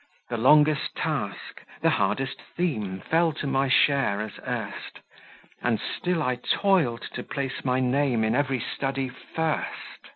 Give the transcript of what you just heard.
The longest task, the hardest theme Fell to my share as erst, And still I toiled to place my name In every study first.